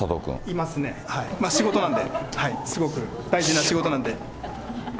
いますね、仕事なんで、すごく大事な仕事なんで。